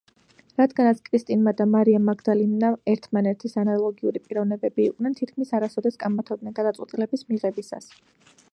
რადგანაც კრისტინა და მარია მაგდალინა ერთმანეთის ანალოგიური პიროვნებები იყვნენ, თითქმის არასოდეს კამათობდნენ გადაწყვეტილების მიღებისას.